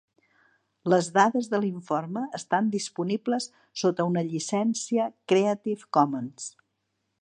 Les dades de l'informe estan disponibles sota una llicència Creative Commons.